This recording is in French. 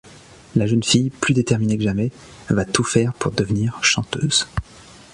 La jeune fille, plus déterminée que jamais, va tout faire pour devenir chanteuse.